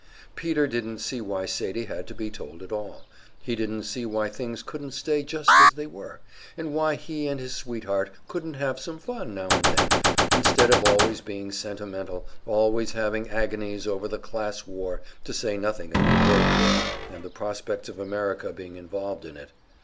Peter didn't see why Sadie had to be told at all; he didn't see why things couldn't stay just as they were, and why he and his sweetheart couldn't have some fun now and then, instead of always being sentimental, always having agonies over the class war, to say nothing of the world war, and the prospects of America becoming involved in it.